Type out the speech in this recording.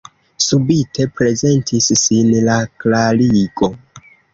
Subite prezentis sin la klarigo.